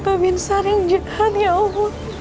peminsar yang jahat ya allah